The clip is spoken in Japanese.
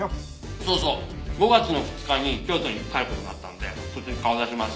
「そうそう５月の２日に京都に帰る事になったんでそっちに顔出します」